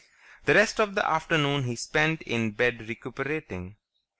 The rest of the afternoon he spent in bed recuperating.